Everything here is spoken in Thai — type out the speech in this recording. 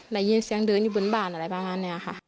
ได้ยินเสียงเดินอยู่บนบ้านอะไรบ้าง